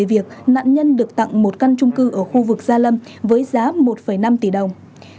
và tặng một căn trung cư ở khu vực gia lâm với giá một năm tỷ đồng